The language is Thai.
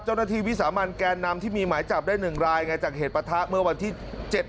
เจ้าหน้าที่วิสามันแกนำนำที่มีไหมจับได้หนึ่งรายไงจากเหตุประทะเมื่อวันที่เจ็ด